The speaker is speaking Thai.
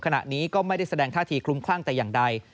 ขณะนี้ก็ไม่ได้แสดงท่าทีคลุมคลั่งแต่อย่างใด